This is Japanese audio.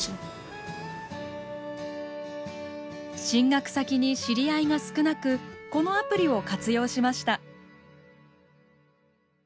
進学先に知り合いが少なくこのアプリを活用しました。